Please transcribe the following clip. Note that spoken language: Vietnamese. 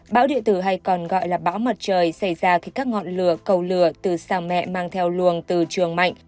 bão địa tử hay còn gọi là bão mặt trời xảy ra khi các ngọn lửa cầu lửa từ sàng mẹ mang theo luồng từ trường mạnh